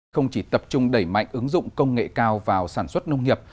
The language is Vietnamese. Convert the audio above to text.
không chỉ tập trung đẩy mạnh ứng dụng công nghệ cao vào sản xuất nông nghiệp